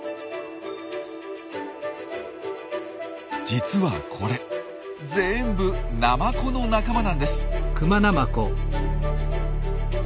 実はこれ全部ナマコの仲間なんです。